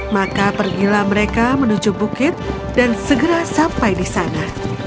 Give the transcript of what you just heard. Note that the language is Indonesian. maka pergilah mereka menuju bukit dan segera sampai di sana